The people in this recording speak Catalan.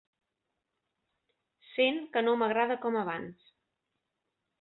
Sent que no m'agrada com abans.